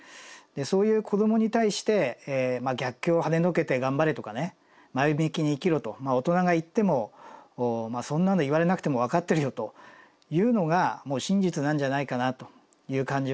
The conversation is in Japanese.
そういう子どもに対して「逆境をはねのけて頑張れ」とかね「前向きに生きろ」と大人が言っても「そんなの言われなくても分かってるよ」というのがもう真実なんじゃないかなという感じはしてます。